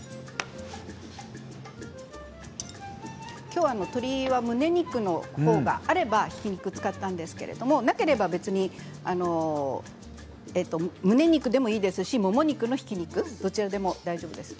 きょうは鶏はむね肉のほうがあればひき肉を使ったんですがなければ別にむね肉でもいいですしもも肉のひき肉どちらでも大丈夫です。